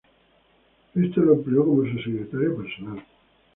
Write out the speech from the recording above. Éste lo empleó como su secretario personal.